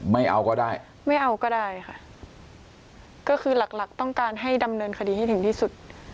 ไม่เอาก็ได้ไม่เอาก็ได้ค่ะก็คือหลักหลักต้องการให้ดำเนินคดีให้ถึงที่สุด